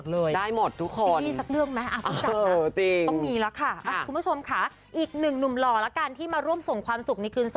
แล้วก็ได้มีโอกาสทำด้วยกันอยู่ด้วยน่ะครับ